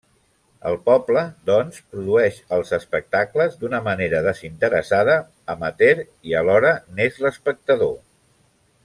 El poble, doncs, produeix els espectacles d'una manera desinteressada, amateur, i alhora n'és l’espectador.